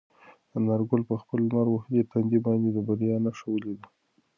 انارګل په خپل لمر وهلي تندي باندې د بریا نښه ولیده.